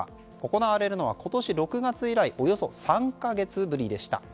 行われるのは今年６月以来およそ３か月ぶりでした。